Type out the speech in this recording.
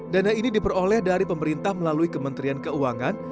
dana ini diperoleh dari pemerintah melalui kementerian keuangan